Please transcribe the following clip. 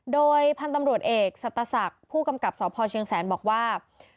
โดยพันธุ์ตำรวจเอกสัตศักดิ์ผู้กำกับสพเชียงแสนบอกว่า